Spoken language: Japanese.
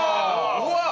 うわっ！